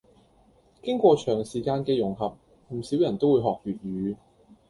經過長時間嘅融合，唔少人都會學粵語